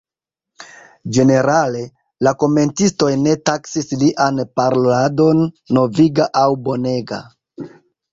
Ĝenerale, la komentistoj ne taksis lian paroladon noviga aŭ bonega.